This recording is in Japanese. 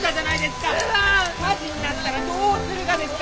火事になったらどうするがですか！？